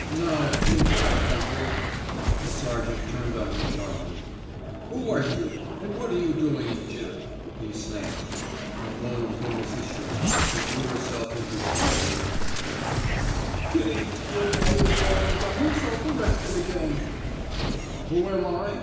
"Now, in my country " The sergeant turned on him sharply. "Who are you and what are you doing in Gib?" he snapped. A moan from Mrs. Sherman, who threw herself in her daughter's arms. [Illustration: "Who are you?" snapped the sergeant.] "Kitty, your father's gone and got himself arrested again!" "Who am I?"